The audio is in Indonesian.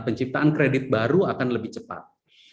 penciptaan kredit baru akan lebih cepat